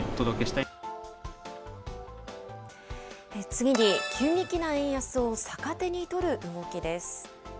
次に、急激な円安を逆手に取る動きです。